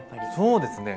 そうですね